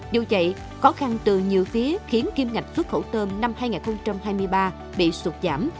dù vậy khó khăn từ nhiều phía khiến kim ngạch xuất khẩu tôm năm hai nghìn hai mươi ba bị sụt giảm